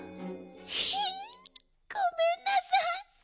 ひごめんなさい。